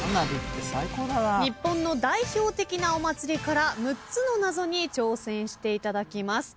日本の代表的なお祭りから６つの謎に挑戦していただきます。